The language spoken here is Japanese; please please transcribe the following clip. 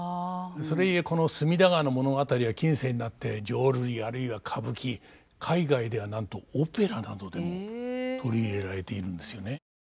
それゆえこの「隅田川」の物語は近世になって浄瑠璃あるいは歌舞伎海外ではなんとオペラなどでも取り入れられているんですよね。